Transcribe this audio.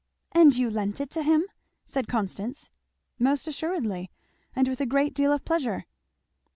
"And you lent it to him?" said Constance. "Most assuredly! and with a great deal of pleasure."